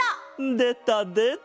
でたでた！